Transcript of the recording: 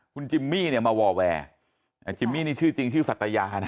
คุณจิมมี่เนี่ยมาวอแวร์จิมมี่นี่ชื่อจริงชื่อสัตยานะ